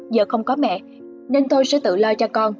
giờ không có mẹ nên tôi sẽ tự lo cho con